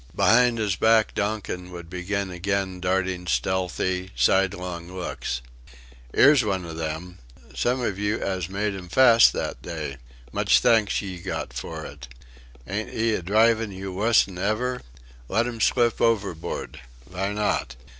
Behind his back Donkin would begin again darting stealthy, sidelong looks. "'Ere's one of 'em. Some of yer 'as made 'im fast that day. Much thanks yer got for it. Ain't 'ee a drivin' yer wusse'n ever?... Let 'im slip overboard.... Vy not?